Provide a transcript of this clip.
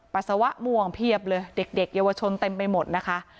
ปัสสาวะม่วงเพียบเลยเด็กเยาวชนเต็มไปหมดนะคะ